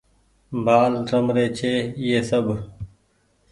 بآل رمري ڇي ايئي سب ۔